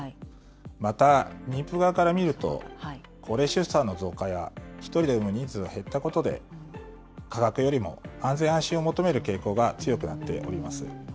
また、妊婦側から見ると、高齢出産の増加や１人で産む人数が減ったことで、価格よりも安全安心を求める傾向が強くなっております。